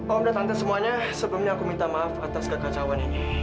om datang semuanya sebelumnya aku minta maaf atas kekacauan ini